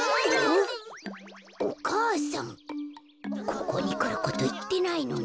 ここにくることいってないのに。